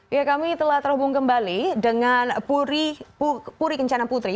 ya kami telah terhubung kembali dengan puri kencana putri